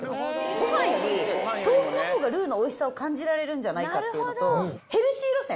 ごはんより、豆腐のほうがルーのおいしさを感じられるんじゃないかっていうのと、ヘルシー路線。